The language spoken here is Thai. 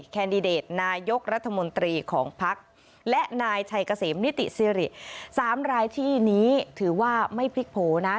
แคนดิเดตนายกรัฐมนตรีของพักและนายชัยเกษมนิติสิริสามรายที่นี้ถือว่าไม่พลิกโผล่นะ